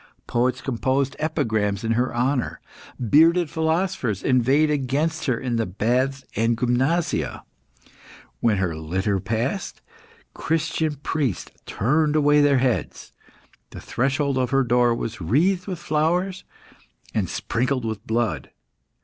Poets composed epigrams in her honour. Bearded philosophers inveighed against her in the baths and gymnasia; when her litter passed, Christian priests turned away their heads. The threshold of her door was wreathed with flowers, and sprinkled with blood.